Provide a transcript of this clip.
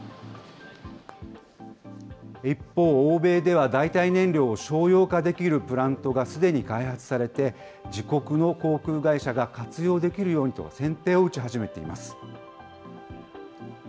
一方、欧米では代替燃料を商用化できるプラントがすでに開発されて、自国の航空会社が活用できるようにと先手を打ち始めています。